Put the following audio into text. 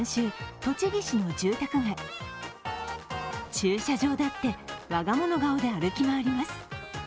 駐車場だって我が物顔で歩き回ります。